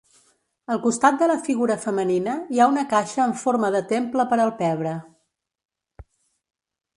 Al costat de la figura femenina hi ha una caixa amb forma de temple per al pebre.